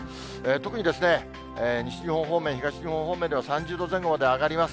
特に西日本方面、東日本方面では３０度前後まで上がります。